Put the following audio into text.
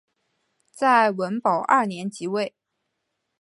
在文保二年即位。